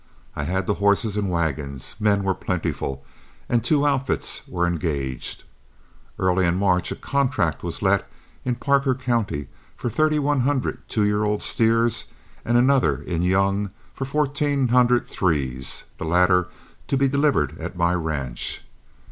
I had the horses and wagons, men were plentiful, and two outfits were engaged. Early in March a contract was let in Parker County for thirty one hundred two year old steers, and another in Young for fourteen hundred threes, the latter to be delivered at my ranch.